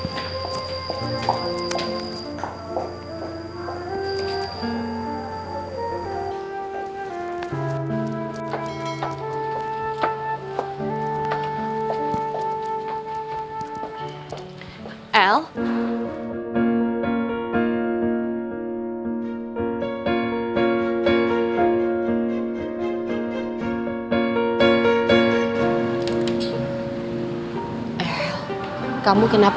kamu tidak tahu mem glaube dengan aku